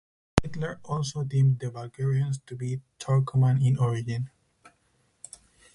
Hitler also deemed the Bulgarians to be "Turkoman" in origin.